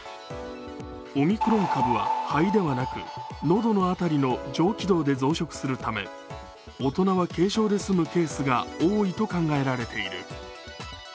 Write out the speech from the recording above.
オミクロン株は肺ではなく喉の辺りの上気道で増殖するため大人は軽症で済むケースが多いと考えられている。